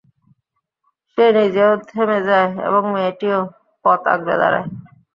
সে নিজেও থেমে যায় এবং মেয়েটিও পথ আগলে দাঁড়ায়।